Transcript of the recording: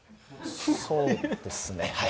そうですねはい。